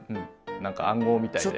何か暗号みたいで。